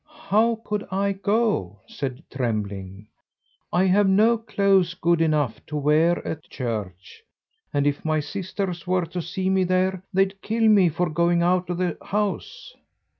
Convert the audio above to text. "How could I go?" said Trembling. "I have no clothes good enough to wear at church; and if my sisters were to see me there, they'd kill me for going out of the house."